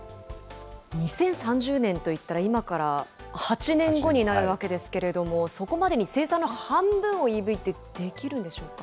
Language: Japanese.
２０３０年といったら、今から８年後になるわけですけれども、そこまでに生産の半分をＥＶって、できるんでしょうか。